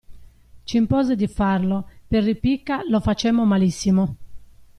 C'impose di farlo, per ripicca lo facemmo malissimo.